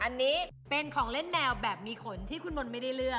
อันนี้เป็นของเล่นแมวแบบมีขนที่คุณมนต์ไม่ได้เลือก